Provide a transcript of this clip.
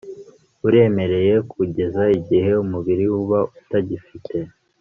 uremereye kugeza igihe umubiri uba utagifite